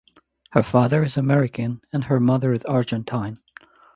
Her father is American and her mother is Argentine.